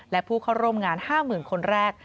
และผู้เข้าร่วมงาน๕๐๐๐คนแรก